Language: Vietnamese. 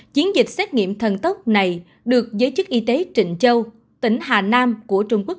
chiến dịch xét nghiệm thần tốc này được giới chức y tế trịnh châu tỉnh hà nam của trung quốc